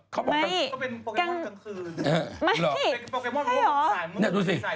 กจะไปกลางรอดทุกที่